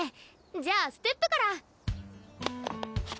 じゃあステップから。